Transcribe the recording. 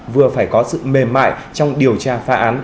vừa phải có sự mềm mại trong điều tra phá án